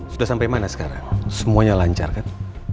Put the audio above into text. sudah sampai mana sekarang semuanya lancar kan